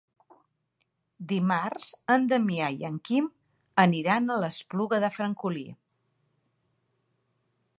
Dimarts en Damià i en Quim aniran a l'Espluga de Francolí.